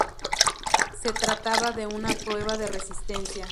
Se trataba de una prueba de resistencia.